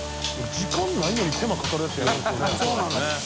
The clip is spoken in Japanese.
時間ないのに手間かかるやつやるんですよね。